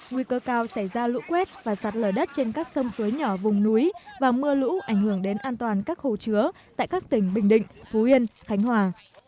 nguy cơ cao xảy ra lũ quét và sạt lở đất trên các sông suối nhỏ vùng núi và mưa lũ ảnh hưởng đến an toàn các hồ chứa tại các tỉnh bình định phú yên khánh hòa